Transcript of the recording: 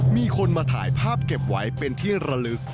มีคนมาถ่ายภาพเก็บไว้เป็นที่ระลึก